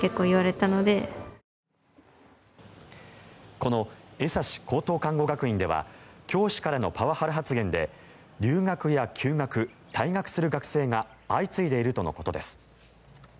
この江差高等看護学院では教師からのパワハラ発言で留学や休学、退学する学生が相次いでいるとのことです。